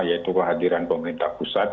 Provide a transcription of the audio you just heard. yaitu kehadiran pemerintah pusat